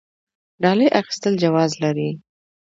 ډالۍ اخیستل جواز لري؟